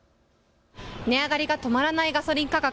値上がりが止まらないガソリン価格。